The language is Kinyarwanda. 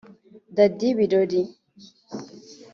Daddy Birori